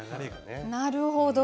なるほど。